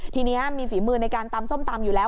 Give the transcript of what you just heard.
ทีนี้มีฝีมือในการตำส้มตำอยู่แล้ว